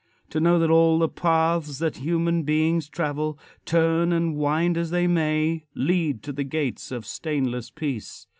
To know that all the paths that human beings travel, turn and wind as they may, lead to the gates of stainless peace!